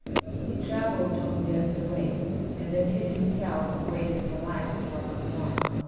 He travelled only a little way, and then hid himself and waited for night before going on.